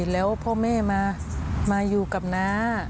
แล้วพ่อแม่มาอยู่กับน้า